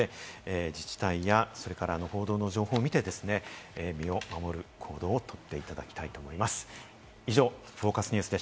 自治体や報道の情報を見て、身を守る行動を取っていただきたいと思います。